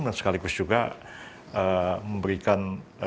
dan sekaligus juga memberikan